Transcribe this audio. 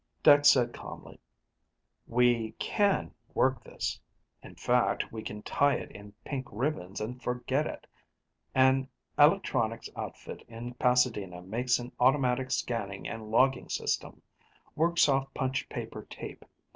Dex said calmly, "We can work this in fact, we can tie it in pink ribbons and forget it. An electronics outfit in Pasadena makes an automatic scanning and logging system. Works off punched paper tape.